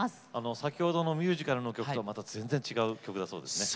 先ほどのミュージカルの曲と全然違う曲だそうですね。